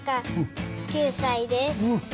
９歳です。